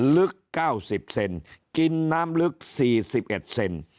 ลึก๙๐เซนกินน้ำลึก๔๑เซน